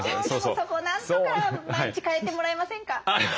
そこをなんとか毎日変えてもらえませんか？